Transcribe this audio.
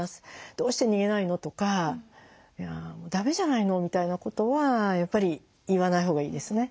「どうして逃げないの？」とか「ダメじゃないの」みたいなことはやっぱり言わないほうがいいですね。